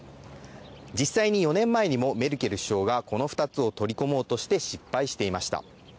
実際に４年前にもメルケル首相がこの２つを取り込もうとして失敗してました。